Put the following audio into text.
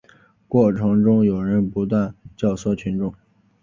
过程中有人不断教唆群众